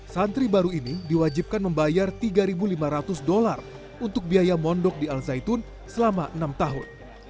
santri baru ini diwajibkan membayar tiga lima ratus dolar untuk biaya mondok di al zaitun selama enam tahun